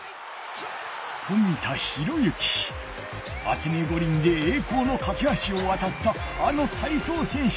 アテネ五輪でえい光のかけはしをわたったあの体操選手